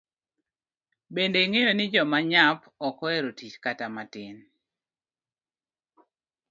Bende ingeyo ni joma nyap ok oero tich kata matin.